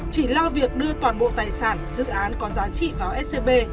chỉ lo việc đưa toàn bộ tài sản dự án có giá trị vào scb